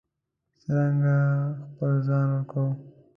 چې څرنګه خپل ځان ورکوو.